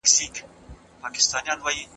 ماشوم به مشاهده وکړي او تعليم به ژور سي.